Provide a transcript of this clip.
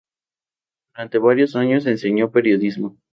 Durante varios años enseñó periodismo.